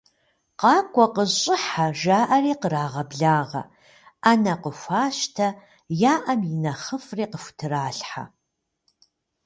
Къакӏуэ, къыщӏыхьэ!- жаӏэри кърагъэблагъэ, ӏэнэ къыхуащтэ, яӏэм и нэхъыфӏри къыхутралъхьэ.